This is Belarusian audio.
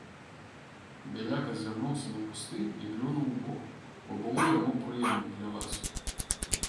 Бяляк азірнуўся на кусты і плюнуў убок, бо было яму прыемна пляваць.